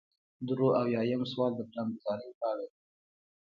درې اویایم سوال د پلانګذارۍ په اړه دی.